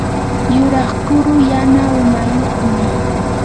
yuraq kuru yana umayuqmi.